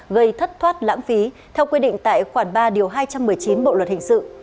gây thất thoát lãng phí theo quy định tại khoản ba điều hai trăm một mươi chín bộ luật hình sự